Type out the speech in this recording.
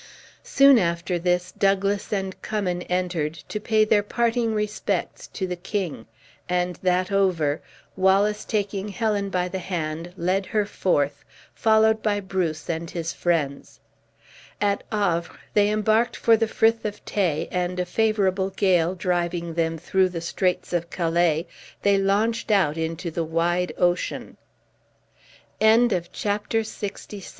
Soon after this, Douglas and Cummin entered, to pay their parting respects to the king; and that over, Wallace taking Helen by the hand, led her forth, followed by Bruce and his friends. At Havre, they embarked for the Frith of Tay; and a favorable gate driving them through the straits of Calais, they launched out into the wide ocean. Chapter LXVII. Scotland.